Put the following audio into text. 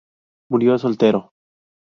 Murió soltero.